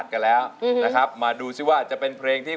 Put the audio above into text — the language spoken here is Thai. แดดจับเดี๋ยวย้วย